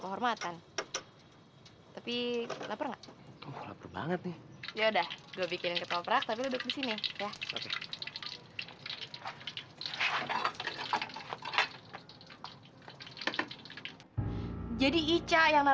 kehormatan tapi lapar banget nih ya udah gue bikin ke toprak tapi disini jadi icah yang